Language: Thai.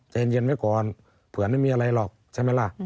ใจเย็นไว้ก่อนเผื่อไม่มีอะไรหรอกใช่ไหมล่ะ